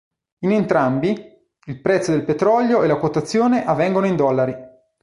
In entrambi, il prezzo del petrolio e la quotazione avvengono in dollari.